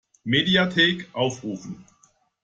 Mediathek aufrufen!